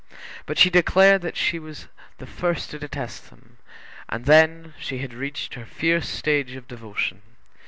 But she declared that she was the first to detest them, and then, she had reached her fierce stage of devotion.